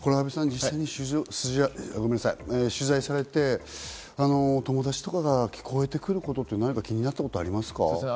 実際に取材されて、友達とかから聞こえてくること、気になったことはありますか？